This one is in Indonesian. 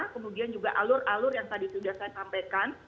kemudian juga alur alur yang tadi sudah saya sampaikan